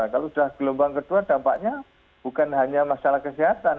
kalau sudah gelombang kedua dampaknya bukan hanya masalah kesehatan